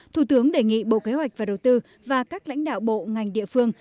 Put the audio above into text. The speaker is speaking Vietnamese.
thủ tướng đề nghị bộ kế hoạch và đầu tư và các lãnh đạo bộ ngành địa phương